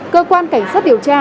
cơ quan cảnh sát điều tra